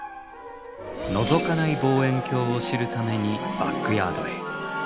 のぞかない望遠鏡を知るためにバックヤードへ。